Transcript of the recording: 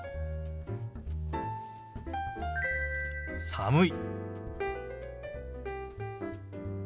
「寒い」。